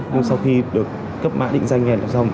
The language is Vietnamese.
nhưng sau khi được cấp mã định danh này là xong